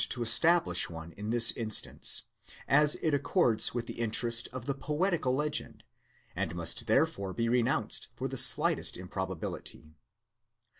to establish one in this instance, as it accords with the interest of the poetical legend, and must therefore be renounced for the slightest improbability.